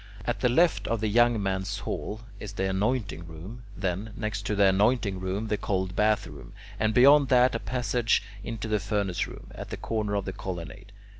At the left of the young men's hall is the anointing room (F); then, next to the anointing room, the cold bath room (G), and beyond that a passage into the furnace room (H) at the corner of the colonnade.